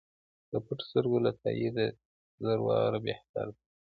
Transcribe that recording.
له پټو سترګو له تاییده زر واره بهتر دی.